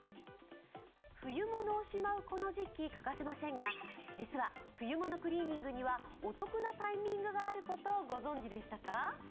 冬物をしまうこの時期、欠かせませんが実は、冬物クリーニングにはお得なタイミングがあることをご存じでしたか？